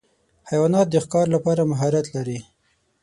حیوانات د ښکار لپاره مهارت لري.